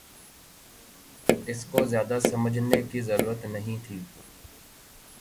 اس کو زیادہ سمجھنے کی ضرورت نہیں تھی